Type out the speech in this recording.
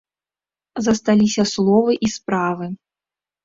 Засталіся словы і справы.